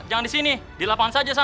ini siapa yang jaga